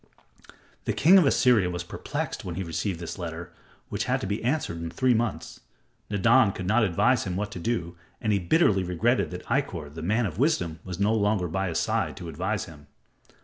The king of Assyria was perplexed when he received this letter which had to be answered in three months. Nadan could not advise him what to do, and he bitterly regretted that Ikkor, the man of wisdom, was no longer by his side to advise him.